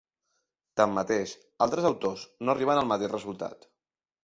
Tanmateix altres autors no arriben al mateix resultat.